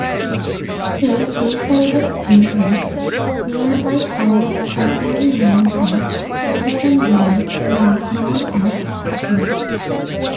He resided in a nearby hamlet formerly known as Davisonville, now known as Atlas.